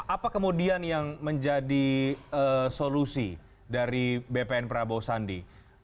apa kemudian yang menjadi solusi dari bpn prabowo sandi